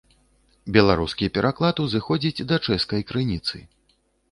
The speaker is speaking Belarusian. Беларускі пераклад узыходзіць да чэшскай крыніцы.